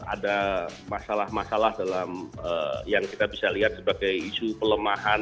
ada masalah masalah dalam yang kita bisa lihat sebagai isu pelemahan